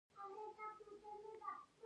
نن د نوي واک په وړاندې ټیټېږي.